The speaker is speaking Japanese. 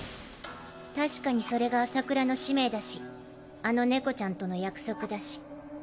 確かにそれが麻倉の使命だしあの猫ちゃんとの約束だし。